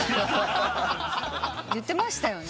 言ってましたね。